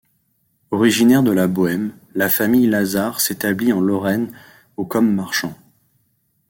Originaire de la Bohême, la famille Lazard s'établit en Lorraine au comme marchands.